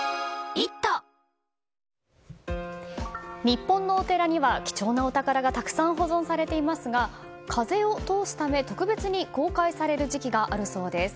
日本のお寺には貴重なお宝がたくさん保管されていますが風を通すため特別に公開される時期があるそうです。